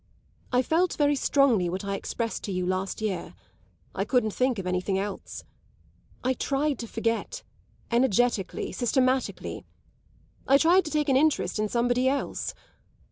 I felt very strongly what I expressed to you last year; I couldn't think of anything else. I tried to forget energetically, systematically. I tried to take an interest in somebody else.